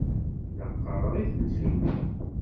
La ɣɣareɣ i temsulta.